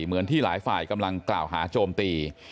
เหมือนที่หลายฝ่ายกำลังกล่าวหาโจมตี